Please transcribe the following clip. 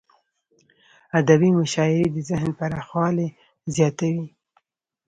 ادبي مشاعريد ذهن پراخوالی زیاتوي.